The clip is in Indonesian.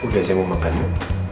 udah saya mau makan yuk